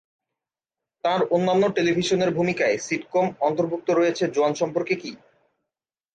তাঁর অন্যান্য টেলিভিশনের ভূমিকায় সিটকম "অন্তর্ভুক্ত রয়েছে জোয়ান সম্পর্কে কী?"